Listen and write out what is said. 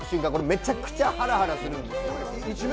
めちゃくちゃハラハラするんです。